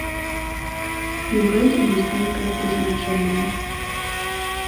І ў гэтым ёсць нейкае прызначэнне.